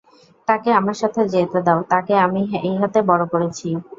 তাকে আমার সাথে যেতে দাও, তাকে আমি এই হাতে বড় করেছি।